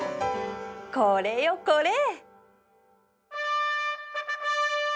これよこれ！